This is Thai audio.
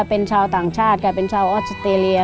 เป็นชาวต่างชาติค่ะเป็นชาวออสเตรเลีย